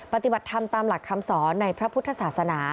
ปฏิบัติธรรมตามหลักคำสอนในพระพุทธศาสนา